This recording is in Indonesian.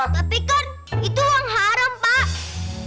tapi kan itu yang haram pak